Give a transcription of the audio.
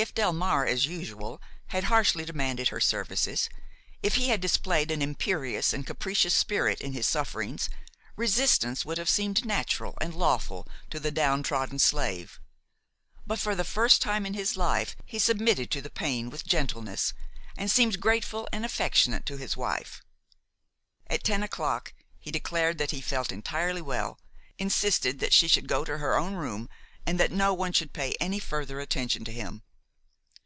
If Delmare, as usual, had harshly demanded her services, if he had displayed an imperious and capricious spirit in his sufferings, resistance would have seemed natural and lawful to the down trodden slave; but, for the first time in his life, he submitted to the pain with gentleness, and seemed grateful and affectionate to his wife. At ten o'clock he declared that he felt entirely well, insisted that she should go to her own room, and that no one should pay any further attention to him.